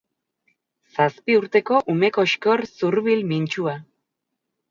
Zazpi urteko ume koxkor zurbil mintsua.